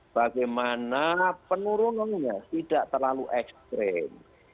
bagaimana penurunannya tidak terlalu ekstrim